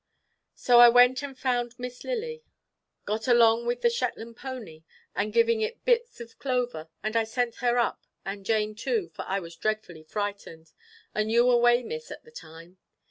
So I went and found Miss Lily got along with the Shetland pony and giving it bits of clover, and I sent her up and Jane too, for I was dreadfully frightened, and you away, Miss, at the time.